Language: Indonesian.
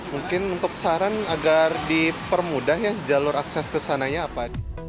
mungkin untuk saran agar dipermudah ya jalur akses ke sananya apa